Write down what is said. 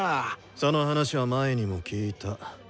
その話は前にも聞いた。